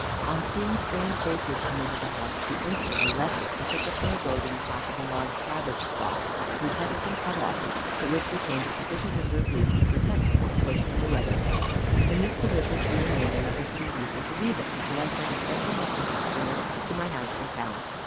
On seeing strange faces come into the house, she instantly left it, and took up her abode in the top of a large cabbage stalk, whose head had been cut off, but which retained a sufficient number of leaves to protect poor Puss from the weather. In this position she remained, and nothing could induce her to leave it, until I sent a special messenger to bring her to my house in town.